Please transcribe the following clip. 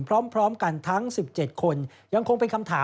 พร้อมกันทั้ง๑๗คน